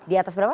di atas berapa